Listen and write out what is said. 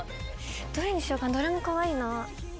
どれにしようかなどれもかわいいなぁ。